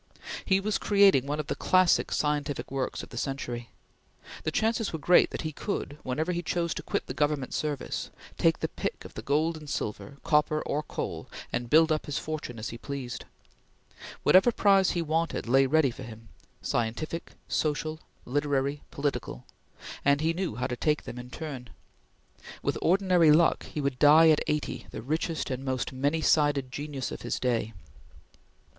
He was creating one of the classic scientific works of the century. The chances were great that he could, whenever he chose to quit the Government service, take the pick of the gold and silver, copper or coal, and build up his fortune as he pleased. Whatever prize he wanted lay ready for him scientific social, literary, political and he knew how to take them in turn. With ordinary luck he would die at eighty the richest and most many sided genius of his day.